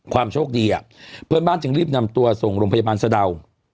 โชคดีอ่ะเพื่อนบ้านจึงรีบนำตัวส่งโรงพยาบาลสะดาว